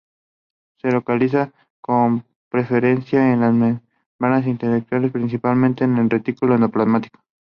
Se localiza con preferencia en las membranas intracelulares, principalmente en el retículo endoplasmático.